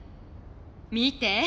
見て！